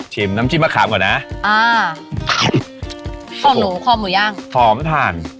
น้ำจิ้มมะขามก่อนนะอ่าคอหมูคอหมูย่างหอมถ่าน